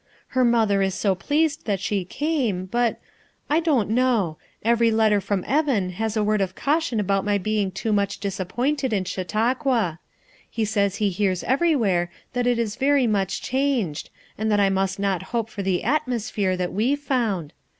Her mother is so pleased that she came; hut — I don't know— every letter from Evan has a word of caution about my being too much disappointed in Chau tauqua ; he says he hears everywhere that it is very much changed and that I must not hope for the atmosphere that we found.